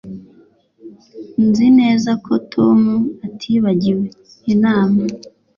[nzi neza ko tom atibagiwe inama.